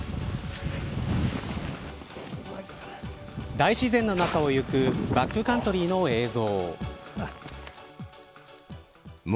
大自然の中をゆくバックカントリーの映像。